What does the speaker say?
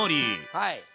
はい。